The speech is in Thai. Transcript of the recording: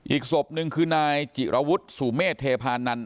อีกศพหนึ่งคือนายจิระวุฒิสุเมฆเทพานัน